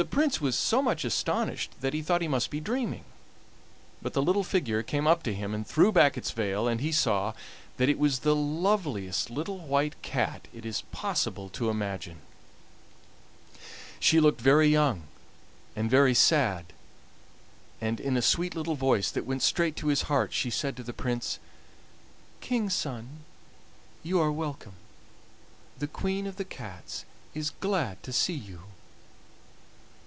The Prince was so much astonished that he thought he must be dreaming, but the little figure came up to him and threw back its veil, and he saw that it was the loveliest little white cat it is possible to imagine. She looked very young and very sad, and in a sweet little voice that went straight to his heart she said to the Prince: "King's son, you are welcome; the Queen of the Cats is glad to see you."